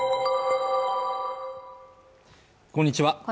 こんにちは